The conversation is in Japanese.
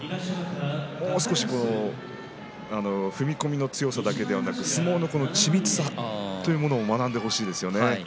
もう少し踏み込みの強さだけではなく相撲の緻密さというものを学んでほしいですね。